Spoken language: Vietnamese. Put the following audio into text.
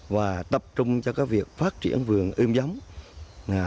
và tập trung cho việc phát triển vườn ươm giống